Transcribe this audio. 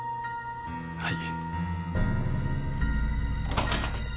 はい。